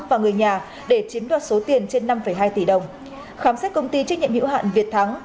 và người nhà để chiếm đoạt số tiền trên năm hai tỷ đồng khám xét công ty trách nhiệm hữu hạn việt thắng